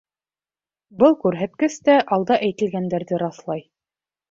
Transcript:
Был күрһәткес тә алда әйтелгәндәрҙе раҫлай.